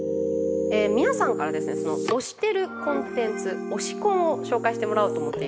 皆さんからですね推してるコンテンツ推しコンを紹介してもらおうと思っているんですが。